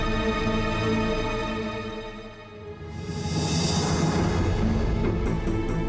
dia pun masih pake akses